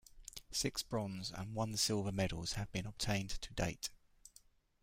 Six bronze and one silver medals have been obtained to date.